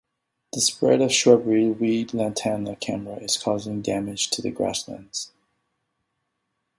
The spread of shrubby weed Lantana camara is causing damage to the grasslands.